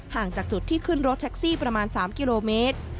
จากจุดที่ขึ้นรถแท็กซี่ประมาณ๓กิโลเมตร